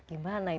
gimana itu caranya